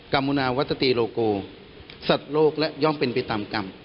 มุนาวัตตีโลโกสัตว์โลกและย่อมเป็นไปตามกรรม